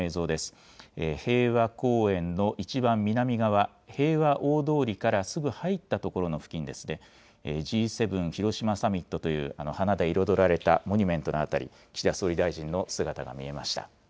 平和公園の一番南側、平和大通りからすぐ入った所の付近ですね、Ｇ７広島サミットという花で彩られたモニュメントの辺り、岸田総理大臣の姿が見えました。